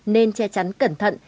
nên che chắn cẩn thận